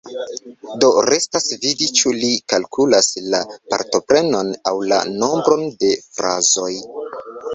Do restas vidi, ĉu li kalkulas la partoprenon aŭ la nombron de frazoj.